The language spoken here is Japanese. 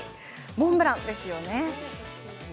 モンブランですよね。